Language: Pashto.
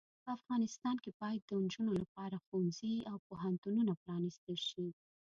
په افغانستان کې باید د انجونو لپاره ښوونځې او پوهنتونونه پرانستل شې.